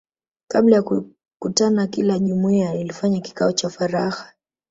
Kabla ya kukutana kila jumuiya ilifanya kikao cha faragha